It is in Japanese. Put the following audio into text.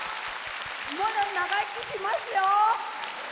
まだ長生きしますよ！